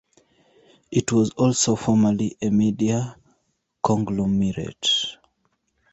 It was also formerly a media conglomerate.